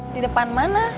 di depan mana